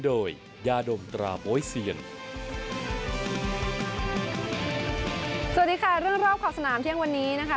สวัสดีค่ะเรื่องรอบขอบสนามเที่ยงวันนี้นะคะ